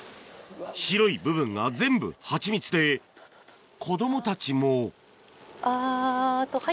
白い部分が全部ハチミツで子供たちもあっと。